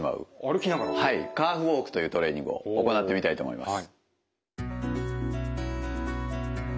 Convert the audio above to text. はいカーフウォークというトレーニングを行ってみたいと思います。